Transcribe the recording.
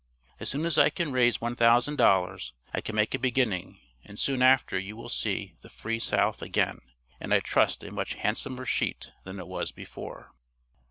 As soon as I can raise 1,000 dollars, I can make a beginning, and soon after you will see The Free South again, and I trust a much handsomer sheet than it was before."